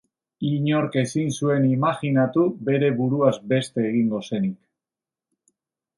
Inork ezin zuen imajinatu bere buruaz beste egingo zenik.